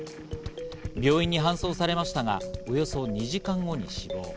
病院に搬送されましたが、およそ２時間後に死亡。